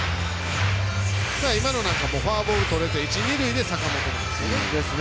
今のなんか、フォアボールとれて一、二塁で坂本なんですよね。